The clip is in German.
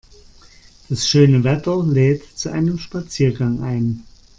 Das schöne Wetter lädt zu einem Spaziergang ein.